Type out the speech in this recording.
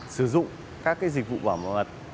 sử dụng các dịch vụ bỏ mặt